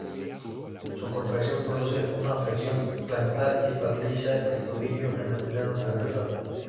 Su contracción produce una flexión plantar y estabiliza el tobillo en el plano transversal.